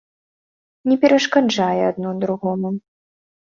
Не перашкаджае адно другому.